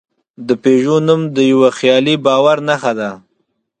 د پيژو نوم د یوه خیالي باور نښه ده.